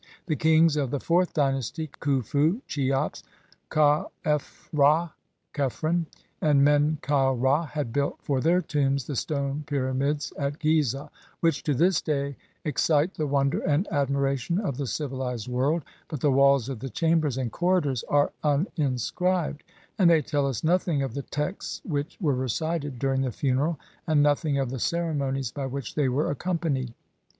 The kings of the fourth dynasty Khufu (Cheops), Kha f Ra (Khephren), and Men kau Ra had built for their tombs the stone pyramids at Gizeh, which to this day excite the wonder and admiration of the civilized world, but the walls of the chambers and corridors are unin scribed, and they tell us nothing of the texts which were recited during the funeral, and nothing of the ceremonies by which they were accompanied.